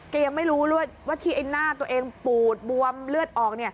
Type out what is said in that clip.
ยังไม่รู้ด้วยว่าที่ไอ้หน้าตัวเองปูดบวมเลือดออก